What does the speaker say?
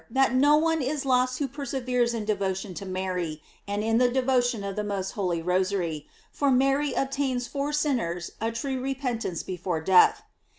683 no one is lost who perseveres in devotion to Mary, and in the devotion of the most holy Rosary, for Mary obtains for sinners a true re* pentance before death.